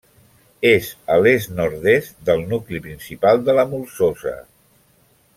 És a l'est-nord-est del nucli principal de la Molsosa.